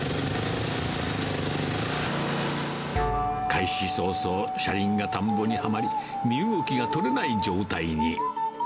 開始早々、車輪が田んぼにはまり、身動きが取れない状態に。